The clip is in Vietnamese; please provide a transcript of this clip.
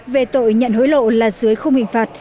về tội nhận hối lộ là dưới không hình phạt